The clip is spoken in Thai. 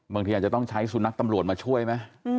บางทีอาจจะต้องใช้สุนัขตำรวจมาช่วยไหม